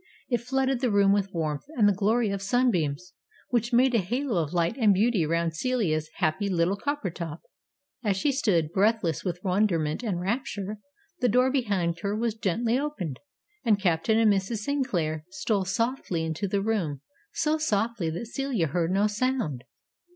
It flooded the room with warmth, and the glory of sunbeams, which made a halo of light and beauty round Celia's happy little "Coppertop." As she stood, breathless with wonderment and rapture, the door behind her was gently opened, and Captain and Mrs. Sinclair stole softly into the room so softly that Celia heard no sound.